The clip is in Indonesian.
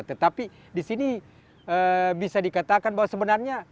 tetapi di sini bisa dikatakan bahwa sebenarnya